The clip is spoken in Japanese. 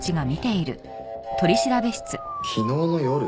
昨日の夜？